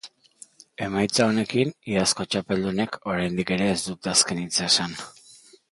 Emaitza honekin iazko txapeldunek oraindik ere ez dute azken hitza esan.